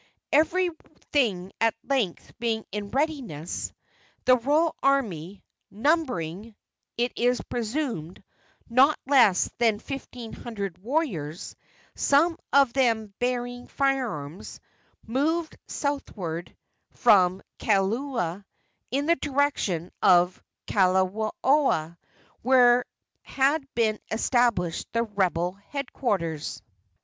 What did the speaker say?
Everything at length being in readiness, the royal army, numbering, it is presumed, not less than fifteen hundred warriors, some of them bearing firearms, moved southward from Kailua in the direction of Kaawaloa, where had been established the rebel headquarters.